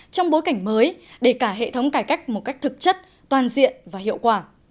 trong bối cảnh mới để cả hệ thống cải cách một cách thực chất toàn diện và hiệu quả